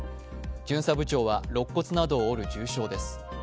巡査部長はろっ骨などを折る重傷です。